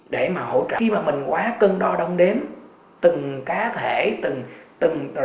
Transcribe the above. để mà hỗ trợ khi mà mình quá cân đo đông đếm từng cá thể